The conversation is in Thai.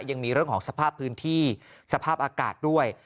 ยังมีเรื่องของสภาพพื้นที่สภาพอากาศด้วย